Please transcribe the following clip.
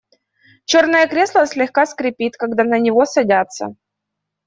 Черное кресло слегка скрипит, когда на него садятся.